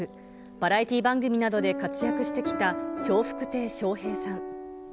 バラエティ番組などで活躍してきた笑福亭笑瓶さん。